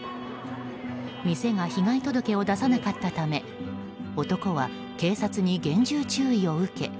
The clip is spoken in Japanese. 店が被害届を出さなかったため男は、警察に厳重注意を受け